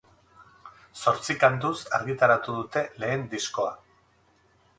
Zortzi kantuz argitaratu dute lehen diskoa.